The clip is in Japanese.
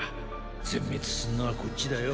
全滅すんのはこっちだよ。